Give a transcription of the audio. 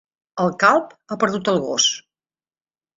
El calb ha perdut el gos.